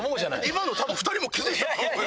今の多分２人も気付いたと思うよ。